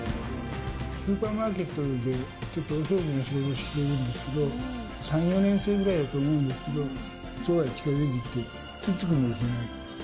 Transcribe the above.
スーパーマーケットで、ちょっとお掃除の仕事してるんですけど、３、４年生ぐらいと思うんですけど、そばに近づいてきて、突っつくんですよね。